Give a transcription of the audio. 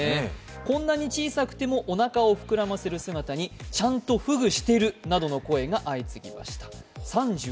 こんなに小さくてもおなかを膨らませる姿に「ちゃんとふぐしてる」の声などが相次ぎました。